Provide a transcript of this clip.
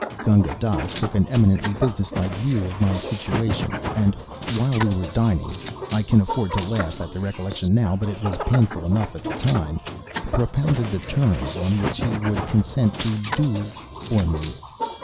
Gunga Dass took an eminently business like view of my situation, and while we were dining I can afford to laugh at the recollection now, but it was painful enough at the time propounded the terms on which he would consent to "do" for me.